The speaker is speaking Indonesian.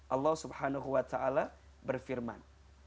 allah swt berfirman